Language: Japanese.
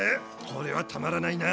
これはたまらないな！